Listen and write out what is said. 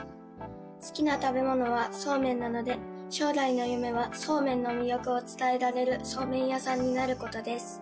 好きな食べ物はそうめんなので将来の夢はそうめんの魅力を伝えられるそうめん屋さんになることです